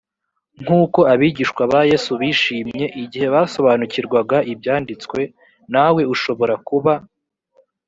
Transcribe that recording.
nk uko abigishwa ba yesu bishimye igihe basobanukirwaga ibyanditswe nawe ushobora kuba